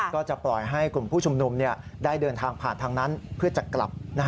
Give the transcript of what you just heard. ก็จะปล่อยให้กลุ่มผู้ชุมนุมได้เดินทางผ่านทางนั้นเพื่อจะกลับ